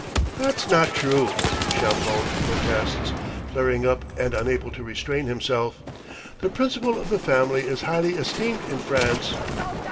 "That's not true!" Champoun protests, flaring up and unable to restrain himself. "The principle of the family is highly esteemed in France."